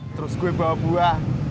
terus gue bawa buah